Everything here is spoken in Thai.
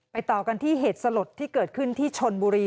ต่อกันที่เหตุสลดที่เกิดขึ้นที่ชนบุรี